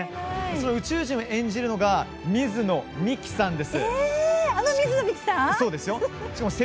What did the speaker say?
宇宙人を演じるのがあの水野美紀さんですか？